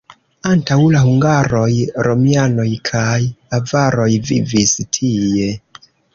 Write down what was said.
Antaŭ la hungaroj, romianoj kaj avaroj vivis tie.